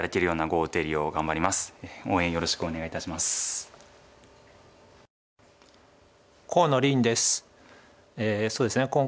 そうですね